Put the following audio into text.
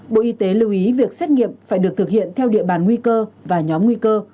bộ y tế lưu ý việc xét nghiệm phải được thực hiện theo địa bàn nguy cơ và nhóm nguy cơ